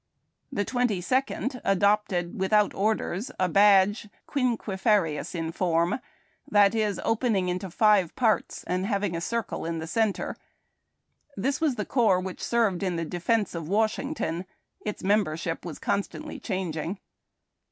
The Twenty Second adopted (without orders) a badge quinquefarious in form, that is, opening into five parts, and having a circle in the centre. This was the corps which served in the defence of Washington. Its membership was constantly changing.